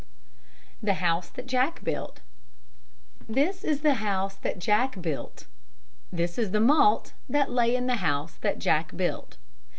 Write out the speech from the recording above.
THE HOUSE THAT JACK BUILT This is the house that Jack built. This is the malt That lay in the house that Jack built.